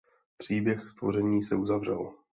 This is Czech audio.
Příběh stvoření se uzavřel.